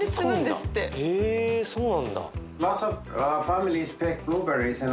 へえそうなんだ。